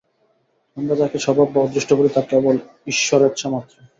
আমরা যাকে স্বভাব বা অদৃষ্ট বলি, তা কেবল ঈশ্বরেচ্ছা মাত্র।